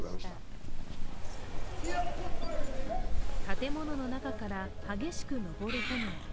建物の中から激しく上る炎。